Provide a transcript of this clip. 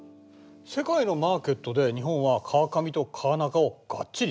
世界のマーケットで日本は川上と川中をがっちりつかんでるんですね。